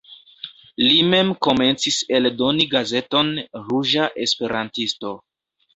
Li mem komencis eldoni gazeton "Ruĝa Esperantisto".